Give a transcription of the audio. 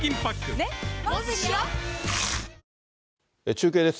中継です。